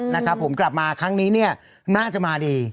นะครับผมกลับมาครั้งนี้เนี่ยน่าจะมาดี